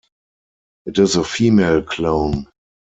It is a female clone.